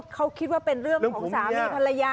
เขาคิดว่าเป็นเรื่องของสามีภรรยา